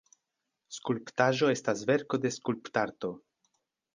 Skulptaĵo estas verko de skulptarto.